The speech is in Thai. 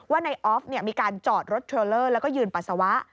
ว่าในออฟมีการจอดรถเทรลเลอร์แล้วก็ยืนปัสสาวะ